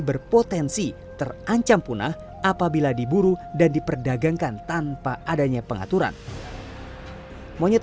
berpotensi terancam punah apabila diburu dan diperdagangkan tanpa adanya pengaturan monyet